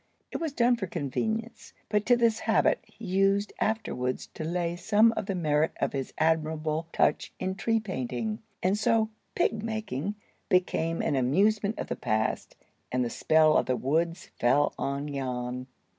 It was done for convenience, but to this habit he used afterwards to lay some of the merit of his admirable touch in tree painting. And so "pig making" became an amusement of the past, and the spell of the woods fell on Jan.